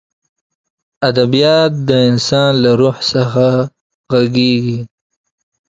ادبیات د انسان له روح څخه غږېږي.